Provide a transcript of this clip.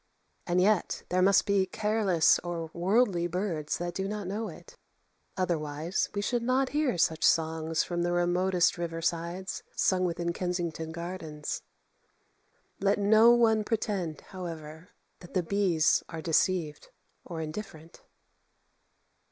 And yet there must be careless or worldly birds that do not know it. Otherwise we should not hear such songs from the remotest river sides sung within Kensington Gardens. Let no one pretend, however, that the bees are deceived or indifferent.